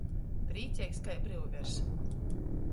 Prīceigs kai bryuvers.